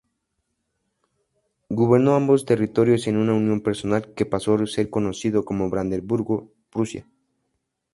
Gobernó ambos territorios en una unión personal que pasó a ser conocido como Brandeburgo-Prusia.